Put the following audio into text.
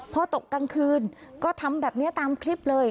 พอตกกลางคืนก็ทำแบบนี้ตามคลิปเลย